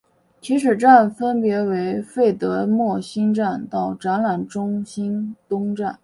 起始站分别为费德莫兴站到展览中心东站。